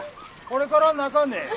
これから中ね？